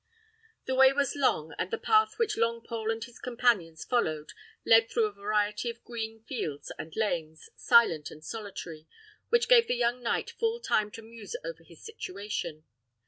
The way was long, and the path which Longpole and his companions followed led through a variety of green fields and lanes, silent and solitary, which gave the young knight full time to muse over his situation.